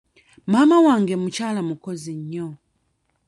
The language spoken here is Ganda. Maama wange mukyala mukozi nnyo.